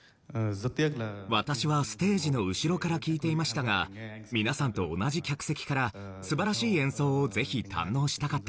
私はステージの後ろから聴いていましたが皆さんと同じ客席から素晴らしい演奏をぜひ堪能したかったです。